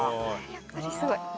やっぱりすごい。